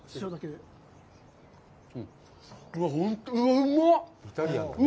うまっ！